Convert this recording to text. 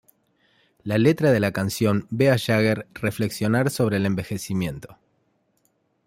La letra de la canción ve a Jagger reflexionar sobre el envejecimiento.